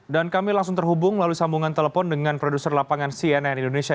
dan kami langsung terhubung lalu sambungan telepon dengan produser lapangan cnn indonesia